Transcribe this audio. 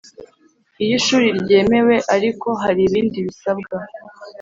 iyo Ishuri ryemewe ariko hari ibindi bisabwa